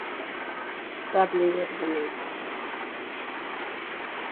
Dublin were the winners.